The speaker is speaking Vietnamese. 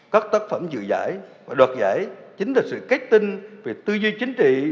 các tác phẩm dự giải và đoạt giải chính là sự kết tinh về tư duy chính trị